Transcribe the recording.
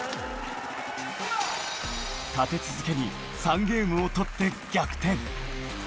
立て続けに３ゲームを取って逆転。